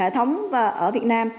hệ thống ở việt nam